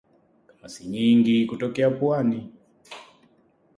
Kamasi nyingi kutokea puani